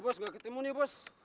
bos gak ketemu nih bos